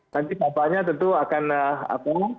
nanti bapaknya tentu akan apa